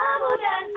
semua dari hidup